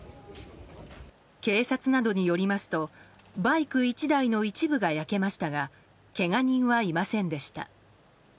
警察などによりますとバイク１台の一部が焼けましたがけが人はいませんでした。